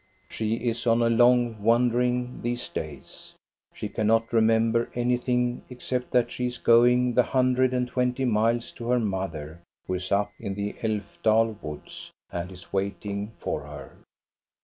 She is on a long wandering these days. She can not remember anything except that she is going the hundred and twenty miles to her mother, who is up in the Alfdal woods, and is waiting for her.